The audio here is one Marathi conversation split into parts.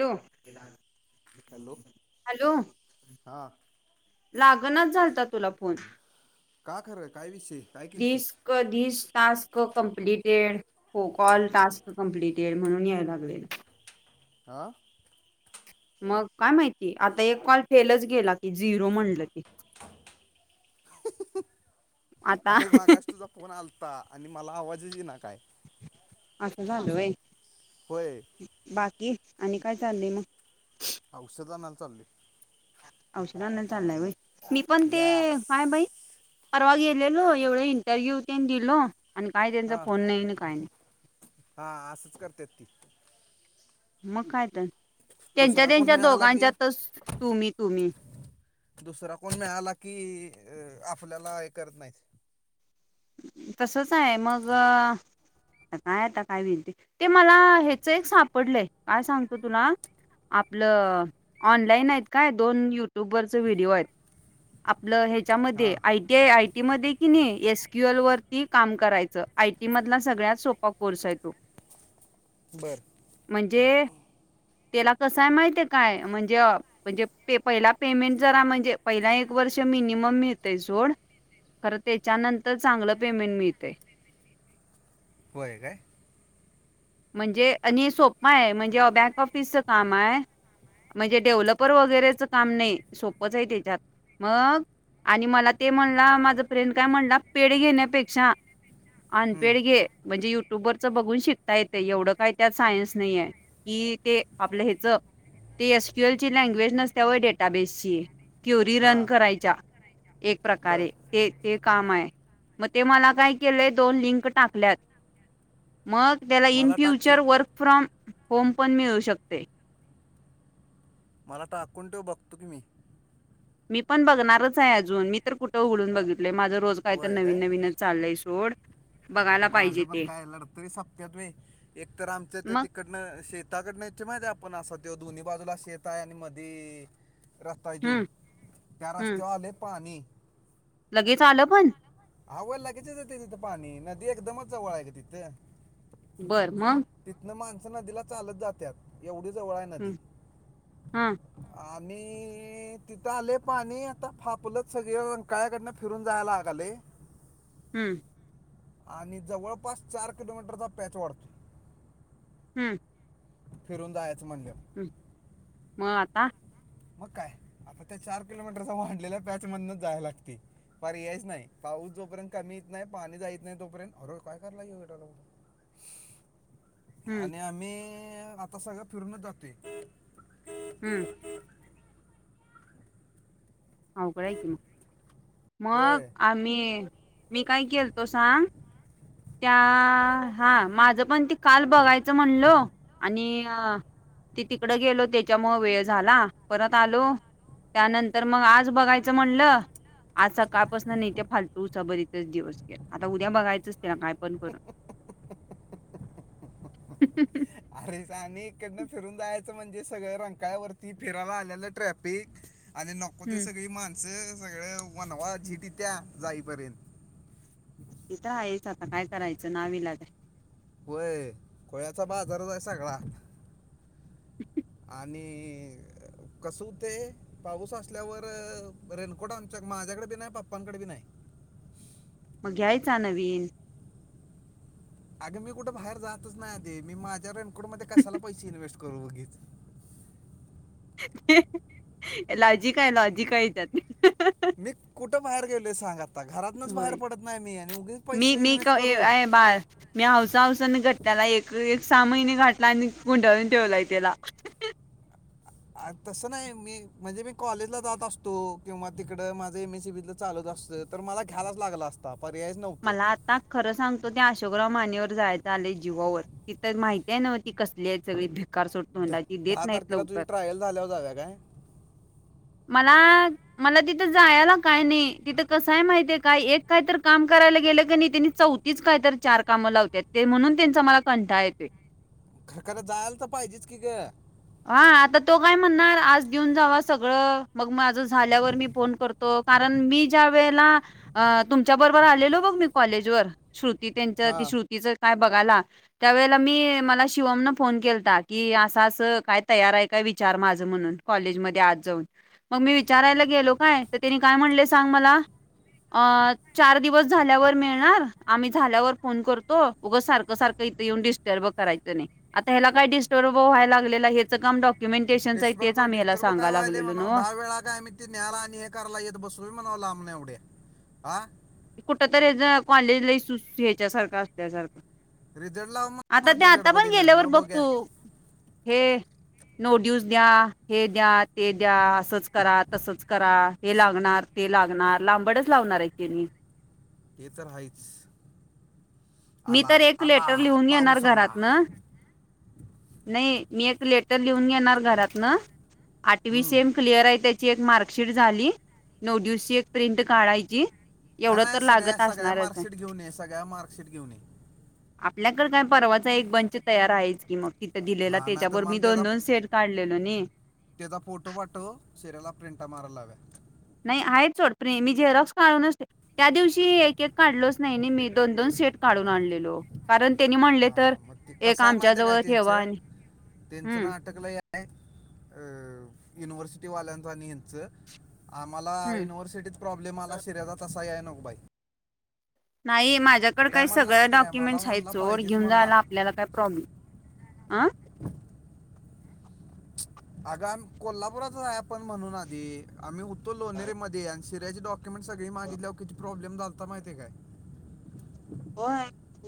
हो हॅलो हॅलो? हां लागणच झालता तुला फोन का खरं काय विषय? काय केलतीस दिस्क दिस टास्क कमप्लीटेड फो कॉल टास्क कंप्लीटेड येड म्हणून यायला लागलेला आा? मग काय माहिती आता एक कॉल फेलच गेला की झिरो म्हणलं की आता अरे मागाश तुझा फोन आलता आणि मला आवाजही येई ना काय असं झालय होय बाकी आणि काय चाललय मग चाली अऔषरांना चाललंय बाई मी पण ते यस आहेय बाई परवा गेलेलो एवढ इंटरव्ह्यू ते दिलो आणि काही त्यांचा हा फोन नाही ना काय नाही तेती मग काय तर त्यांच्या दुसरा कोण त्यांच्या मिळाला की दोघांच्यातच तुम्ही तुम्ही दुसरा कोण मिळाला की आपल्याला हे करत नाहीत तसच आहे मग काय आता काय विनंती ते मला ह्याच एक सापडलंय काय सांगतो तुला आपलं ऑनलाईन आहेत काय दोन युट्यूब वरच व्हिडिओ आहेत आपलं ह्याच्यामध्ये हा आयटी आय आयटी मध्ये कि नाही एस क्यूएलवररती काम करायचं आयटीमधला सगळ्यात सोपा कोर्स आहे तो बर म्हणजे त्याला कसंय माहितीे काय म्हणजे म्हणजे पहिला पेमेंट जरा म्हणजे पहिला एक वर्ष जोड ख त्याच्यान तर चांगलं पेमेंट मिळते होय काय म्हणजे आणि सोप्पा आहे म्हणजे बँक ऑफिसचं काम आहे म्हणजे डेव्हलपर वगैरेच काम नाही सोपंच आहे त्याच्यात मग आणि मला ते म्हणला माझं फ्रेंड काय म्हणला पेढ घेण्यापेक्षा हम्म अनपेड घे म्हणजे युट्युब वरचं बघून शिक ता येते एवढं काय त्यात सायन्स नाही आहे की ते आपलं ह्याच ते एसक्यू एल ची लँग्वेज नसतवर डेटाबेसची क्युरी रन हा करायच्या, एक बर प्रकारे ते ते काम आहे म ते मला काय केलंय दोन लिंक टाकल्यात मग, त्याला इन मला टाक की फ्युचर वर्क फ्रॉम होम पण मिळू शकते. मला टाकून ठेव बघतो की मी, मी पण बघणारच आहे अजून मी तर कुठं उघडून बघितलय माझं रोज काय तर होय नवीन नवीनच चालय सोड. बघायला माझ पाहिजे पण ते काय लढतरी सपत्यात म एक तर आमच्या ते मग तिकडनं शेताकडन आपण अस तो दोन्ही बाजूला शेत आहे आणि मध रस्ता जऊ हम्म त्या हम्म रस्तते हले पाणी [inaudible] लगेच आलं पण आव लागेचीच ये तिथं पाणी नदी एकदमच जवळ आहे का तिथं बरं मग तिथनं माणसं नदीला चालत जात एवढी जवळ आहे नदी हा मी तिथं आले पाणी आता फापल सगळकाळ्याकडनं फिरून जायला लागले हम्म आणि जवळपास चार किलोमीटरचा पॅच वाढतो. हम्म फिरून जायचं म्हणलं, म आता मग काय आता त्या चार किलोमीटरचा मांडलेला त्याच म्हधूनच जाय लागते. पर्यायच नाही पाऊस जोपर्यंत कमी येत नाही पाणी जायत नाही तोपर्यंत हर काय कला येेऊेटला [inaudible] [inaudible] हम्म आणि आम्ही आता सगळं फिरूनच जाते. हम्म अव काय क मग मग होय आम्ही मी काय केल तो सांग [inaudible] त्या हा माझं पण त काल बघायचं म्हणलो आणि ती तिकड गेलो त्याच्यामुळ वेळ झाला परत आलो त्यानंतर मग आज बघायचं म्हणलं, आज सकाळपासून नाही ते फालतू उसाबरीतच दिवस घे आता उद्या बघायचंच ते ना काय पण करून [inaudible] अरेच आणि एककडनं फिरून जायचं म्हणजे सगळं रंकाळ्यावरती फिरायला आलेलं ट्रॅफिक आणि नको ते हम्म सगळी मान सगळे वनवा झीट त्या्या जाईपयंत, [inaudible] तथं आहेच आता काय करायचं नाविलाज आहे. होय कोळ्याचा बाजारच आहे सगळा, ह् आणि कस ते पाऊस असल्यावर रेनकोट आमच्या माझ्याकडे बी नाही पप्पांकडे बी नाही. मग घ्यायचा नवीन अग मी कुठे बाहेर जातच नाही आध मीझ्या रेनकोडध्ये कशाला पैसे इन्व्हेस्ट करु. करवगीत [inaudible] लॉजिकय लॉजिकयच्यात [inaudible] मी कुठं बाहेर गेलोय सांग आता घरातनच बाहेर होय पडत नाही मी आणि उगीच पैसे इन्व्हेस्ट करू. मीवसा घट [inaudible] सहा महिने घाठला आणि गुंटळून ठेवलाय त्याला तसं नाही मी म्हणजे मी कॉलेज ला जात असतो किंवा तिकड माझं एमएसीबी चालू. तर मला घ्यायलाच लागला असतात. मला आताच खरं सांगतो ते अशोकराव मानेवर य जीवावर त तर माहितीय नव्ह त कसली आहे सग भ सोडतो द- म्ही देत दहा नाहीत तारखेला तुझी उकर ट्रायल झाल्यावर जाव्या काय मला मला तिथं जायला काय नाही तिथं कसय माहितीय काय एक काय तर काम करायला गेलं क नाही त्यांनी चौथीच काय तर चार काम लावत म्हणून त्यांचा मला कंठाळ येतोय. खर खरं जायला तर पाहिजेच की ग. हा आता तो काय म्हणणार आज देऊन जावा सगळं मग माझं झाल्यावर मी फोन करतो कारण मी ज्या व तुमच्यार आलो कज. त्यांच्या हां श्रुतीच काय बघायला त्यावेळेला मी मला शिवमन फोन केलता की असं असं. काय तयार आहे काय विचार माझ म्हणून कॉलेज म आज जाऊन मग मी विचारायला गेलो कायनी काय म्हणले सांग मला अ चार दिवस झाल्यावर मिळणार आम्ही झाल्यावर फोन करतो उगं सारखं सारखं क काम [inaudible] आहे तेच डिस्टर्ब आम्ही ह्याला डिटर्ब काय सांगायला व्हाय लागलेलो म्हणा नव्हं. दहा वेळा काय आम्ही ते न्याला आणि हे करालायेत बसूनी म्हणाव लांबन एवढे आ कुठ तरी कॉलेजला ह्याच्यासारखं असल्यासारखा रिझल्ट लाव मधी पण गडबडीने गेल्यावर मग बघ बोघ्या तू हे. नोटिवस द्या हे द्या ते द्या असंच करा तसच करा हे लागणार. ते लागणार लांबडच लावणार आहे क म ते तर आहेच. मी तर आला एक आला लेटर लिहून घेणार पाऊस आला घरात ना नाही. मी एक लेटर लिहून घेणार घरात ना आठवी हम्म सेम क्लिअर आहे त्याची ची एक मार्कशीट झाली नऊ दिवसशी एक प्रिंट काढायची. का एवढं नाही तर सगळ्या लागत सगळ्या असणारच आहे मार्कशीट घेऊन ये सगळ्या मार्कशशीट घेऊन येे. आपल्याकडे काय परवाच एक बंच तयार आहेच की मग तिथं दिलेला हा नाही त्याच्याबरोबर मी दोन दोन सेट काढले. लो तेचा फोटो वाटो शिर्याला प्रिंटा मारायला लाव. नाही आहे चोडप मी झेरक्स काढूनचते त्या दिवशी एक एक काढलोच नाही मी दोन दोन सेट. ून आणलो कारण त्यांनी म्हणले तर हा मग ते एक कसं आहे आमच्या माहिती आहे काय जवळ ठवा. त्यांचं त्यांचं ना अटकलंय आहे अ युनिव्हर्सिटी वाल्यांचा नच मला हम्म युनिव्हर्सिटीत प्रॉब्लेम आला शिर्याा तसा या. नकबाई नाही माझ्याकड काही सगळ माहिती आहे काय मला डॉक्युमेंटस आहेत म्हणला चोड पाहिजेच घेऊन म्हणला जायला आपल्याला काय प्रॉब्लेम आ. अग कोल्हापुरात आहे आपण म्हणून आधी आम्ही उत्तर लोनेरेमध्येध्ये शिरा्याचे डॉक्युमेंट सग मागितल्या किती प्रॉब्लेम लता माहिती आहे काय? हो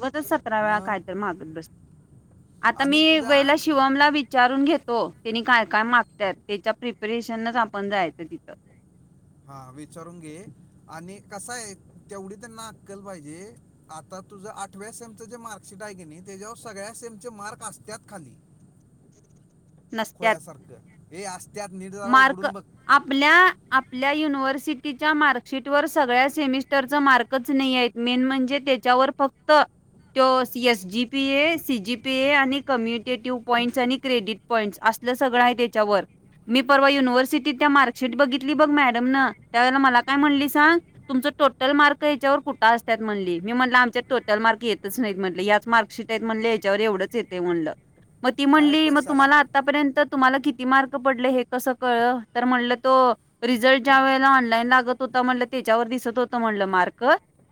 उगचच सतरा वेळा काय तर मग मागत बस. आता मी आणि तुझा वेला शिवमला विचारून घेतो त्यांनी काय? काय मागत त्याच्या प्रिपरेशनच आपण जायचं तिथं. हा विचारून घे आणि कस आहे तेवढी तर नाकल पाहिजे आता तुझं आठव्या सेमचं जे मार्कशिट आहे की नाही त्याच्यावर सगळ्या सेमचे मार्क असत खाली नसत्यात खोळ्यासारखं हे अस. मार्क आपल्या आपल्या युनिव्हर्सिटीच्या मार्कशीट वर सगळ्या सेमिस्टरच मार्कच नाही आहेत मेन म्हणजे ते त्याच्यावर फक्त त एसजीपीए सीजीपीए आणि कम्यनटेटीव पॉइंट् आणि क्रेडीट पॉइंट्स अस. असलं सगळं आहे त्याच्यावर मी परवा युनिव्हर्सिटीत त्या मार्कशीट बघितली बघ मॅडम त्यावेला मला काय म्हणली सांग तुमच टोटल मार्क हच्यावर कुठं असतात म्हणली मी म्हटलं आमच्यात टोटल मार्क येतच नाहीत म्हटले याच मार्कशट म्हणलं हेच्यावर एवढच येतय म्हणलं मग ती काय म्हणली कशाला तुम्हाला आत्तापर्यंत तुम्हाला कीती मार्क क पडलं हे कसं कळलं तरम् हणलं अतो रिझल्ट ज्या वेळेला ऑनलाईन लागत होता म्हणलं तेच्यावर दिसत होतं म्हंटलं मार्क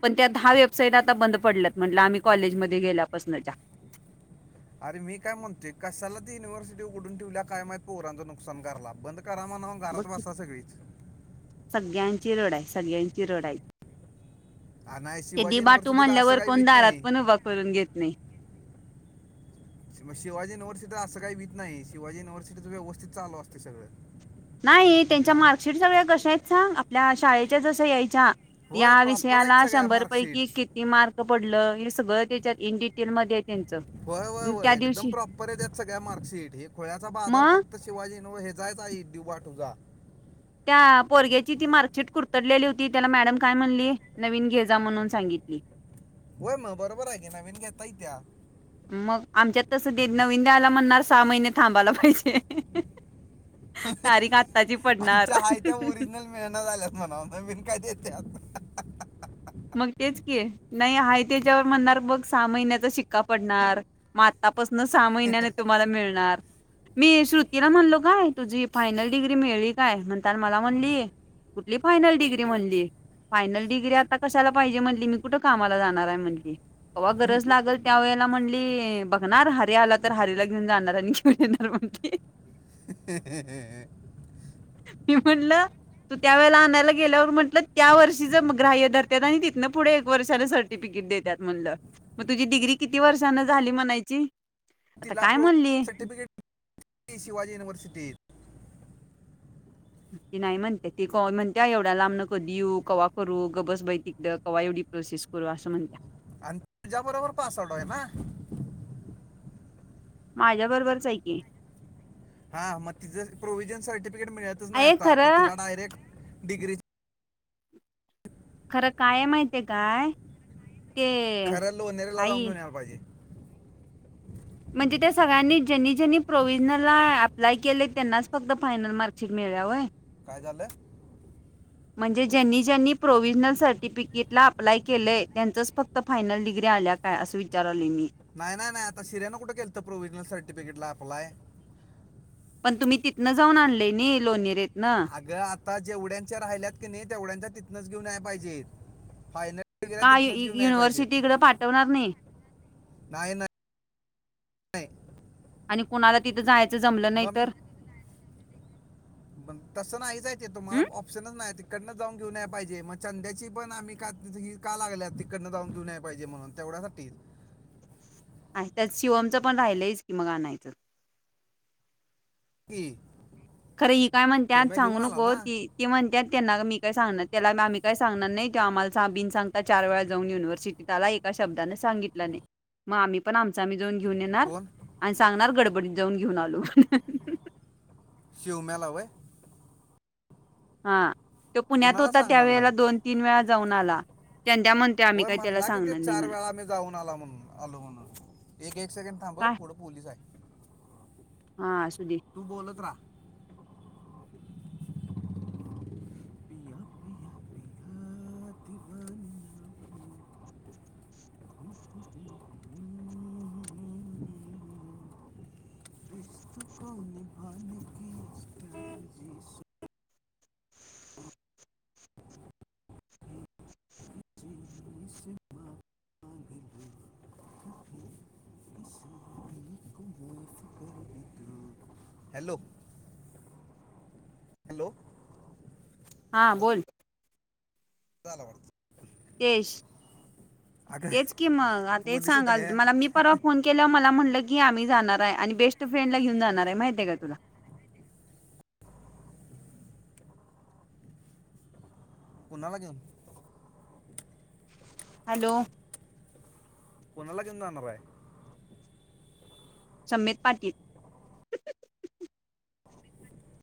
पण त्या दहा वेबसाईड बंद पडल्यात म्हणलं आम्ही कॉलेज गेल्यापसनंच्या [inaudible] अरे मी काय म्हणतो कशाला ती युनिव्हर्सिटी उघडून ठेवल्या काय माहित पोरांचं नुकसान करायला बंद करा म्हणाव आणि बघ घरात की बसा सगळीच सगळ्यांची रड आहे सगळ्यांची रड हाय आ, नाही हि ते दि शिवाजी बाटू युनिव्हर्सिटीचं असं म्हणल्यावर काही कोण भीत दारात नाही पण उभं करून घेत नाही मग शिवाजी युिव्हर्सिटी असं काही दित नाही शिवाजी युिव्हर्सिटींच व्यवस्थित चालू असतय सगळं नाही त्यांच्या काम मार्कशीट सगळ्या कशा हाईत सांग आपल्या शाळेच्या जसं यायच्या होय या प्रॉपर आहेत विषयाला सगळ्या शंभर मार्कशीट पैकी किती मार्क पडलं हे सगळं तेच्यात इनडिट होय होय होय एकदम प्रॉपर येत्यात सगळ्या मार्कशीट हे खुळ्याचा बाजार मग फक्त शिवाजी नव हे जायचा एक दिवस तुझा त्या पोरग्याची ती मार्कशीट कुरतडलेली होती त्याला मॅडम काय म्हणली नवीन घे जा म्हणून सांगितली. ह होय मग बरोबर आहे की नवीन घेता येत्या मग आमच्यात तसं ते नवीन द्यायला म्हणणार सहा महिने थांबायला पाहिजे हि हि हि अह अह ह आमच्या हायत्या ओरिजनल मिळना झाल्यात म्हणाव नवीन काय देत्यात हा हा हा मग तेच की नाही आहे त्याच्यावर म्हणणार बघ सहा महिन्याचा शिक्का पडणार मग आत्ता पसनं सहा महिन्याने तुम्हाला मिळणार मी श्रुतीला म्हणलो काय तुझी फायनल डिग्री मिळली काय म्हणताना मला म्हणली कुठली फायनल डिग्री म्हणली फायनल डिग्री आत आता कशाला पाहिजे म्हटली मी कुठे कामाला जाणार आहे म्हटली कवा गरज लागल त्या वेळेला म्हणली बघणार हरी आला तर हारीला घेऊन जाणार आणि घेऊन येणार म्हणली रिकामा ऑडिओ मी म्हणलं.. तू त्यावेळेला आणायला गेल्यावर म्हटलं त्या वर्षीचं ग्राह्य धरत्यात आणि तिथनं पुढं एक वर्षानं सर्टिफिकेट. कीट देत्यात म्हणलं मग तुझी डग्री किती वर्षांनं झाली म्हणायची? आता तिला काय म्हणली प्रोव्हिजन सर्टिफिकेट [unintelligible] शिवाजी युनिवर सिटीत ती नाही म्हणते ती म्हणत्या एवढ्या लांबनं कधी येऊ कवा करू गपबस बाई तिकडं कवा एवढी... प्रोसेस करू अशी म्हणत्या... आणि तू ज्या बरोबर पासवर्ड आहे ना. माझ्या बरोबरच हाय की. हा मग तिच प्रोव्हीजन सर्टिफिकेट मिळतच नाही अय आता आता खरं तिला डायरेक्ट डीग्रीच खरं काय हाय माहीती हाय काय? ते खरं लोनारीला जाऊन आई घेवून यायला पाहिजे. म्हणजे त्या सगळ्यांनी ज्यांनी ज्यांनी प्रोव्हिजनला अप्लाय केलय त्यांनाच फक्त फायनल मार्कशीट मिळा मिळल्या व्हय. काय झालंय? म्हणजे ज्यांनी ज्यांनी प्रोव्हिजनल सर्टिफिकेटला अप्लाय केलंय त्यांचंच फक्त फायनल डिग्री आल्या काय असं विचारालोय मी. नाही नाही नाही आता शिर्यान कुठे केलंत प्रोव्हिजनल सर्टिफिकेट ला अप्लाय. पण तुम्ही तिथनं जाऊन आणलय नाही लोनीरीतुन. अगं आता जेवढ्यांच्या राहिल्यात की नाही तेवढ्यांच्या तिथनच घेऊन याय पाहिजेत फायनल. वगैरे काय तिथनच घेऊन यु यायला पाहिजेत युनिव्हर्सिटी इकडं पाठवणार नाही. नाही नाही नाही. आणि कुणाला तिथं जायचं जमलं नाही तर.. पण तसं नाहीच हाय तिथं तुम्हाला हम्म ऑप्शनच नाही ति कडन जाऊन घेऊन याय पाहिजे मग चंद्याची पण आम्ही का तिथं का लागल्यात तिकडनं जाऊन घीवून याय पाहिजे म्हणून... कोणासाठी? त्यात शिवमचं पण राहिलयच की मग आणायचं. कीं. खरं ही काय म्हणत्यात सांगू नको ना त ते म्हणतात त्यांना मी सांगणार त्या मग आम्ही काही सांणार नाही तेो आम्हाला बन सांगता चार वेळा जाऊन युनिवर्सिटी आला एका शब्दाानं सांगितलं नाही आम्ही पण आमचं घेऊन घेऊन येणार कोण आणि सांगणार गडबडीत जाऊन घेऊन आलो. शिव मेला व्हय. हा तो पुण्यात कुणाला होता सांगणार त्यावेेळेला नाही दोन तीन वेळा जाऊन आला. त्यांद्या म्हणते आम्ही होय काही त्याला म्हणला कि ते सांगणार नाही चार म्हणून वेळा मी जाऊन आला म्हणून आलो म्हणून. एक एक सेकंड थांब काय पुढं पोलीस आहे. हा. दे तू बोलत राहा. हॅलो. हॅलो हा बोल. झाला वाटतं. तेश. तेच कि मग अगं आता तेच पोलीस होता सांगाल काय मला मी परवा फोन केला मला म्हटलं की आम्ही जाणार आहे आणि बेस्ट फ्रेंड ला घेऊन जाणार आहे माहितय आहे का तुला.? कुणाला घेऊन.? हॅलो. कोणाला घेऊन जाणार हाय? सम्येत पाटोल.